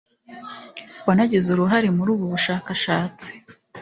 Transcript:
wanagize uruhare muri ubu bushakashatsi